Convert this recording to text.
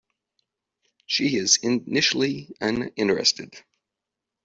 She is initially uninterested.